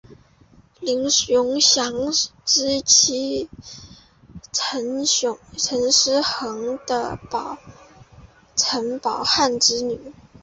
林熊祥之妻陈师桓为陈宝琛之女。